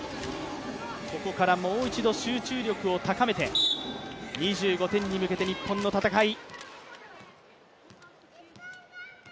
ここからもう一度集中力を高めて、２５点に向けて、日本の戦い。